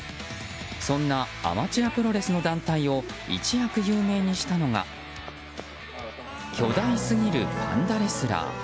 そんなアマチュアプロレスの団体を一躍有名にしたのが巨大すぎるパンダレスラー